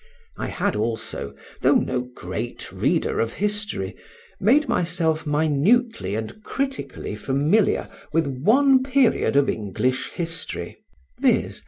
I had also, though no great reader of history, made myself minutely and critically familiar with one period of English history, viz.